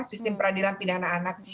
sistem peradilan pindahan anak